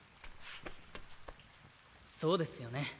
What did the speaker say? そうですよね。